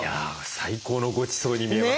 最高のごちそうに見えます。